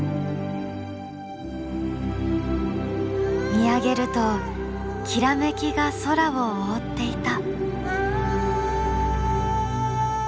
見上げるときらめきが空を覆っていた。